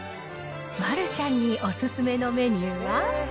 丸ちゃんにお勧めのメニューは？